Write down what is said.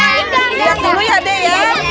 eh kok dia pada payung